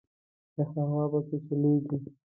یخه هوا په کې چلیږي.